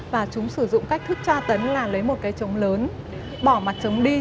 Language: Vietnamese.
và chúng sử dụng cách thức tra tấn là lấy một cái trống lớn bỏ mặt chống đi